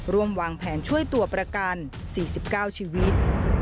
รวมวางแผนช่วยตัวประกัน๔๙ชีวิต